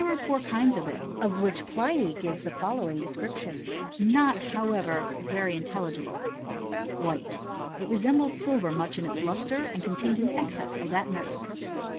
There were four kinds of it, of wliich Pliny givei . the following description ; not, however, very intellig^ ble :'.'. 1. White. It resembled silver much in its lustre|t^' and contained an excess of that metal.